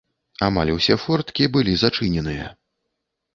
Амаль усе форткі былі зачыненыя.